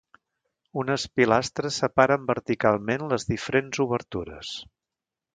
Unes pilastres separen verticalment les diferents obertures.